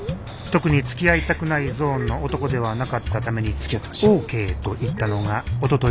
特につきあいたくないゾーンの男ではなかったためにオーケーと言ったのがおとといのこと